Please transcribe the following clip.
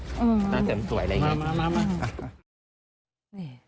ต้องเต็มสวยอะไรอย่างนี้